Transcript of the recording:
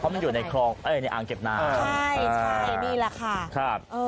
มันอยู่ในคลองเอ้ยในอ่างเก็บน้ำใช่ใช่นี่แหละค่ะครับเออ